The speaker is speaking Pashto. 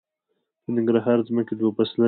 د ننګرهار ځمکې دوه فصله دي